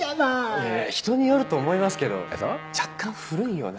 いや人によると思いますけど若干古いような。